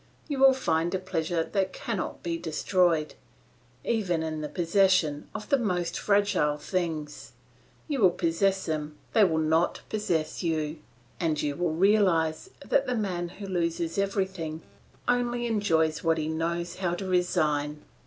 You will find a pleasure that cannot be destroyed, even in the possession of the most fragile things; you will possess them, they will not possess you, and you will realise that the man who loses everything, only enjoys what he knows how to resign.